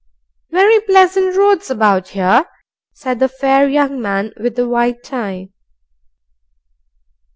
"Very pleasant roads about here," said the fair young man with the white tie.